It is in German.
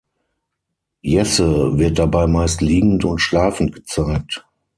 Jesse wird dabei meist liegend und schlafend gezeigt.